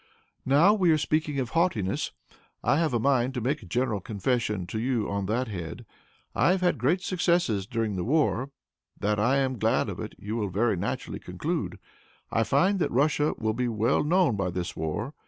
"Now we are speaking of haughtiness, I have a mind to make a general confession to you on that head. I have had great successes during this war; that I am glad of it, you will very naturally conclude. I find that Russia will be well known by this war.